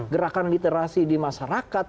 gerakan literasi di masyarakat